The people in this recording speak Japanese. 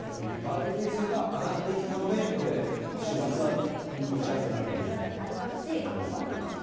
梅雨前線が上がってきたので、これ、週末は蒸し暑くなってくる蒸し暑くなりますし、雨も降ると。